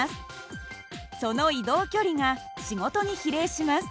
その移動距離が仕事に比例します。